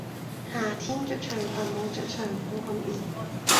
夏天着長裙冇着長褲咁熱